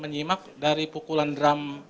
menyimak dari pukulan drum